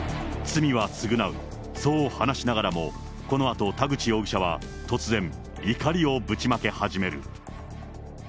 罪は償う、そう話しながらも、このあと田口容疑者は突然、怒りをぶちまけ始める。